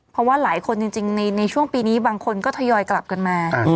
เพราะว่าหลายคนจริงในช่วงปีนี้บางคนก็ทยอยกลับกันมา